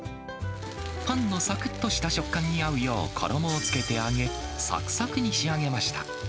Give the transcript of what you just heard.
パンのさくっとした食感に合うよう、衣をつけて揚げ、さくさくに仕上げました。